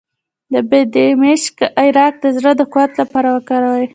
د بیدمشک عرق د زړه د قوت لپاره وکاروئ